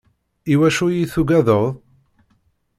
I wacu iyi-tugadeḍ?